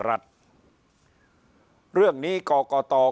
พักพลังงาน